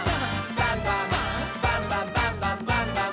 バンバン」「バンバンバンバンバンバン！」